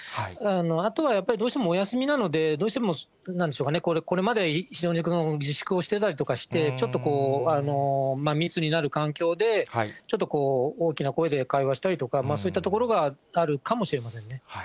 あとはやっぱりどうしてもお休みなので、どうしてもなんでしょうかね、これまで非常に自粛をしてたりとかして、ちょっと密になる環境でちょっとこう、大きな声で会話したりとか、そういったところがあるかもしれませんね。